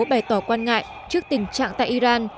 bày tỏ quan ngại trước tình trạng tại iran